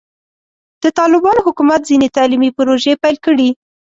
د طالبانو حکومت ځینې تعلیمي پروژې پیل کړي.